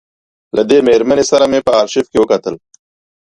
له دې مېرمنې سره مې په آرشیف کې وکتل.